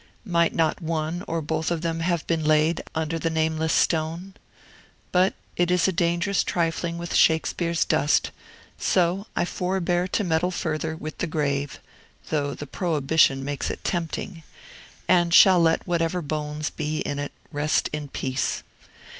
Might not one or both of them have been laid under the nameless stone? But it is dangerous trifling with Shakespeare's dust; so I forbear to meddle further with the grave (though the prohibition makes it tempting), and shall let whatever bones be in it rest in peace.